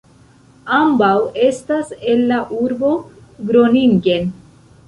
Ambaŭ estas el la urbo Groningen.